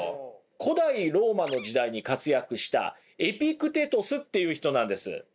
古代ローマの時代に活躍したエピクテトスという人なんです。